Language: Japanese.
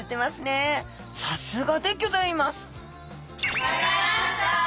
さすがでギョざいます！